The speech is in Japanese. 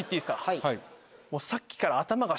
はい。